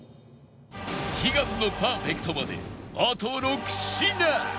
悲願のパーフェクトまであと６品